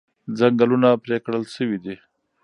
ځنګلونه پرې کړل شوي دي.